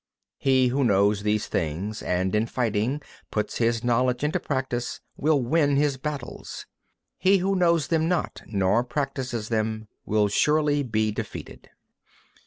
22. He who knows these things, and in fighting puts his knowledge into practice, will win his battles. He who knows them not, nor practises them, will surely be defeated.